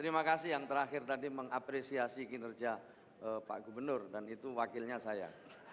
terima kasih yang terakhir tadi mengapresiasi kinerja pak gubernur dan itu wakilnya saya